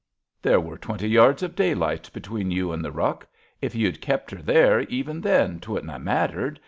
There were twenty yards of daylight between you and the ruck. If you'd kept her there even then 'twouldn't ha' mattered.